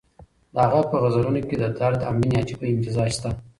د هغه په غزلونو کې د درد او مېنې عجیبه امتزاج شته.